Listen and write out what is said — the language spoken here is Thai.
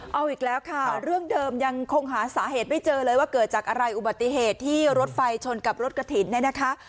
เอาอีกแล้วค่ะเรื่องเดิมยังคงหาสาเหตุไม่เจอเลยว่าเกิดจากอะไรอุบัติเหตุที่รถไฟชนกับรถกระถิ่นเนี่ยนะคะ